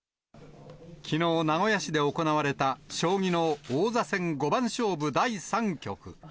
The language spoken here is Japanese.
きのう、名古屋市で行われた将棋の王座戦五番勝負第３局。